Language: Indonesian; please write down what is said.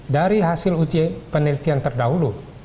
dari hasil uji penelitian terdahulu